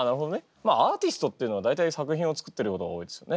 まあアーティストっていうのは大体作品を作ってることが多いですよね。